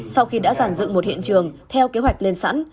sau khi đã giản dựng một hiện trường theo kế hoạch lên sẵn